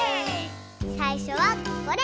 さいしょはこれ。